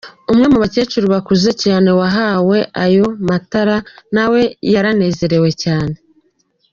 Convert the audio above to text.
Umwe mu bacecuru bakuze cyane wahawe aya matara nawe yaranezerewe cyane.